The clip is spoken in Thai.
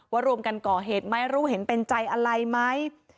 รวมกันก่อเหตุไหมรู้เห็นเป็นใจอะไรไหม